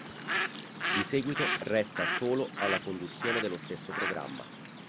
Di seguito, resta solo alla conduzione dello stesso programma.